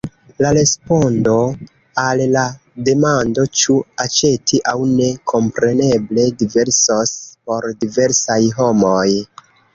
La respondo al la demando, ĉu aĉeti aŭ ne, kompreneble diversos por diversaj homoj.